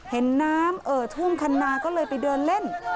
เห็นน้ำเอ่อท่วมคันนาก็เลยไปเดินเล่น